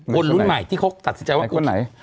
คนรุ่นใหม่ที่เขาตัดสินใจว่าคนไหน